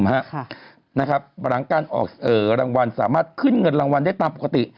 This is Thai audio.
หลังการออกรางวัลสามารถขึ้นเงินรางวัลได้ตามปกติ